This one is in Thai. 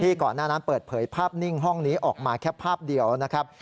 ก่อนหน้านั้นเปิดเผยภาพนิ่งห้องนี้ออกมาแค่ภาพเดียวนะครับ